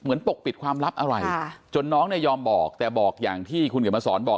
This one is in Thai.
ปกปิดความลับอะไรจนน้องเนี่ยยอมบอกแต่บอกอย่างที่คุณเขียนมาสอนบอก